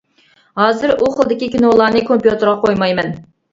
ھازىر ئۇ خىلدىكى كىنولارنى كومپيۇتېرغا قويمايمەن.